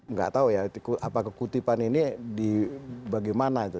nggak tahu ya apa kekutipan ini bagaimana itu